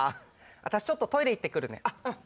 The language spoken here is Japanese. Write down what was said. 私ちょっとトイレ行ってくるねあっうん